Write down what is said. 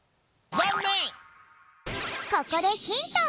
ここでヒント！